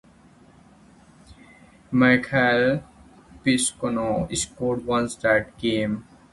Mikhail Piskunov scored once that game.